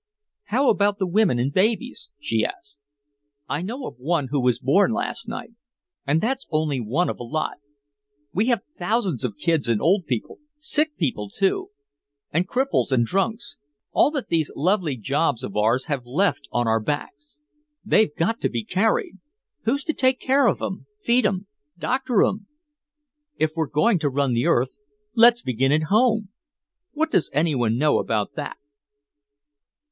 "How about the women and babies?" she asked. "I know of one who was born last night. And that's only one of a lot. We have thousands of kids and old people sick people too, and cripples and drunks all that these lovely jobs of ours have left on our backs. They've got to be carried. Who's to take care of 'em, feed 'em, doctor 'em? If we're going to run the earth let's begin at home. What does anyone know about that?"